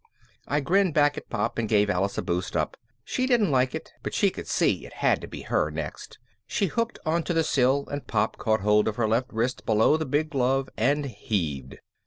I grinned back at Pop and gave Alice a boost up. She didn't like it, but she could see it had to be her next. She hooked onto the sill and Pop caught hold of her left wrist below the big glove and heaved.